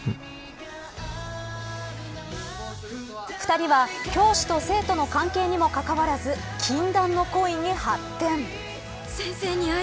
２人は、教師と生徒の関係にもかかわらず禁断の恋に発展。